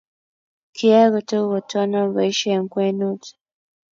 kiyai kutuk kotonon boisie eng' kwenut